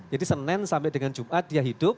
jadi senin sampai dengan jumat dia hidup